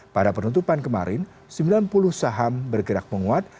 pada penutupan kemarin sembilan puluh saham bergerak menguat